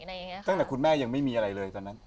ตั้งแต่คุณแม่ยังไม่มีอะไรเลยตอนนั้น